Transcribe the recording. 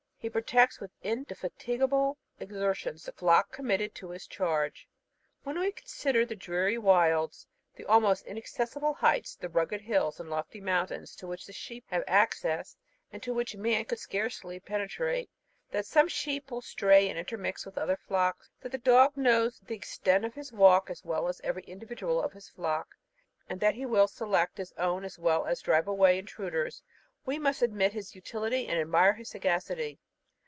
He protects with indefatigable exertions the flock committed to his charge. When we consider the dreary wilds, the almost inaccessible heights, the rugged hills and lofty mountains to which sheep have access, and to which man could scarcely penetrate that some sheep will stray and intermix with other flocks that the dog knows the extent of his walk as well as every individual of his flock, and that he will select his own as well as drive away intruders, we must admit his utility and admire his sagacity.